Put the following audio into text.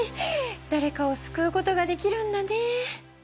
だれかをすくうことができるんだね。